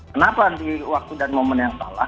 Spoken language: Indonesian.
kenapa di waktu dan momen yang salah